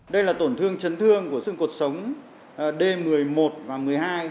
đây là tổn thương chấn thương của sương cuộc sống d một mươi một và một mươi hai